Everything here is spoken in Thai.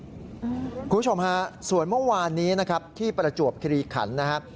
คุณผู้ชมฮะส่วนเมื่อวานนี้นะครับที่ประจวบคิริขันนะครับ